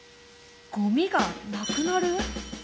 ゴミがなくなる？